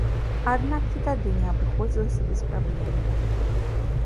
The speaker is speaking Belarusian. Аднак і тады не абыходзілася без праблем.